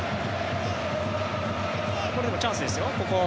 これでもチャンスですよ。